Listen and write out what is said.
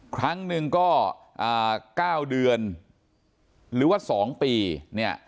ครั้งหนึ่งก็๙เดือนหรือว่า๒ปีเนี่ย